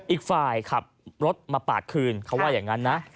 อีกฝ่ายขับรถมาปาดคืนเขาว่าอย่างนั้นนะ